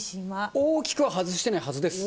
大きく外してないはずです。